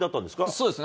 そうですね。